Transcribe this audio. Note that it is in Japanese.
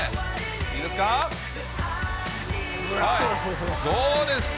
いいですか。